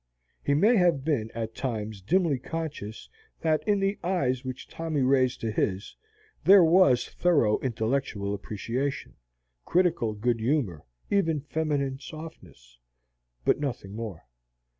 He may have been at times dimly conscious that, in the eyes which Tommy raised to his, there was thorough intellectual appreciation, critical good humor, even feminine softness, but nothing more.